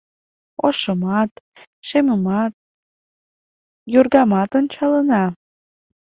Ошымат, шемымат, йоргамат ончалына